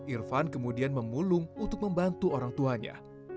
irfan kemudian memulung untuk membantu orang tuanya